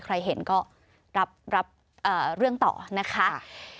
ใครเห็นก็รับเรื่องต่อนะคะ